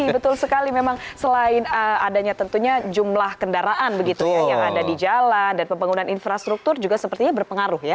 betul sekali memang selain adanya tentunya jumlah kendaraan begitu ya yang ada di jalan dan pembangunan infrastruktur juga sepertinya berpengaruh ya